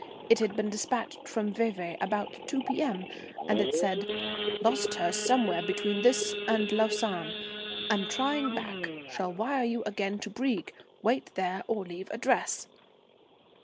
It had been despatched from Vevey about 2 P.M., and it said: "Lost her somewhere between this and Lausanne. Am trying back. Shall wire you again to Brieg. Wait there or leave address."